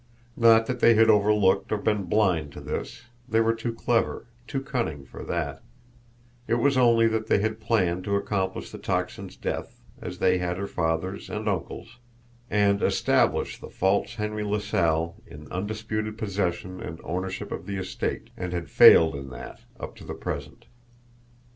Not that they had overlooked or been blind to this, they were too clever, too cunning for that it was only that they had planned to accomplish the Tocsin's death, as they had her father's and uncle's, and ESTABLISH the false Henry LaSalle in undisputed possession and ownership of the estate and had failed in that up to the present.